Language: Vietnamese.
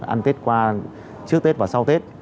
ăn tết qua trước tết và sau tết